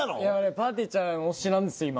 ぱーてぃーちゃん推しなんですよ今。